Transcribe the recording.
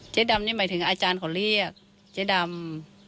ดำนี่หมายถึงอาจารย์เขาเรียกเจ๊ดำ